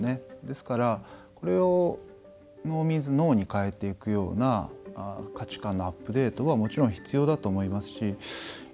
ですから、これをＮｏＭｅａｎｓＮｏに変えていくような価値観のアップデートはもちろん必要だと思いますし。